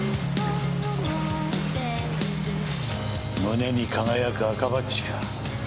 胸に輝く赤バッジか。